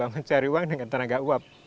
mencari uang dengan tenaga uap